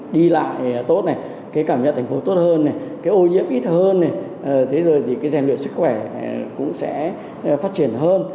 đi lại tốt này cái cảm nhận thành phố tốt hơn này cái ô nhiễm ít hơn này thế rồi thì cái rèn luyện sức khỏe cũng sẽ phát triển hơn